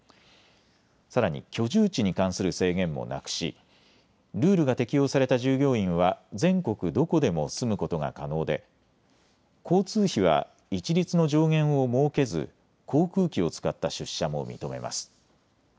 さらに居住地に関する制限もなくし、ルールが適用された従業員は全国どこでも住むことが可能で交通費は一律の上限を設けず航空機を使った出社も認めます。